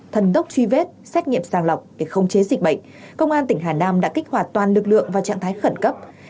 thần tốc truy vết xét nghiệm sàng lọc để không chế dịch bệnh công an tỉnh hà nam đã kích hoạt toàn lực lượng vào trạng thái khẩn cấp